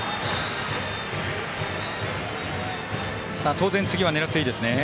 当然、次は狙っていいですね。